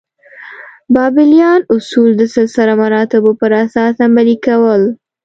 بابلیان اصول د سلسله مراتبو پر اساس عملي کول.